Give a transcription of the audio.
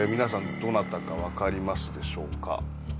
どなたか分かりますでしょうか？